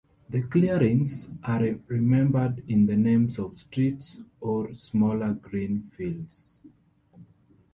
The clearings are remembered in the names of streets or smaller green fields.